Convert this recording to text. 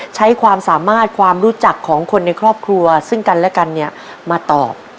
ใช้ความสามารถความรู้จักของคนในครอบครัวซึ่งกันและกันเนี่ยมาตอบ